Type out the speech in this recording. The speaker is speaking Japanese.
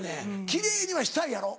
キレイにはしたいやろ？